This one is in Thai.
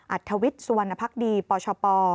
อธวิทย์สุวรรณภักดีปชป